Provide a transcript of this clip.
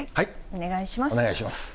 お願いします。